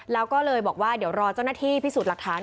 แล้วก็เลยบอกว่าเดี๋ยวรอเจ้าหน้าที่พิสูจน์หลักฐาน